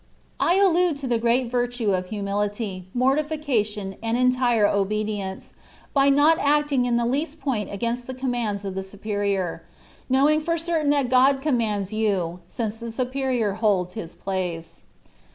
I allude to the great virtue of humility, mortifica tion, and entire obedience, by not acting in the least point against the commands of the Superior, knowing for certain that God commands you, since the Superior holds His place.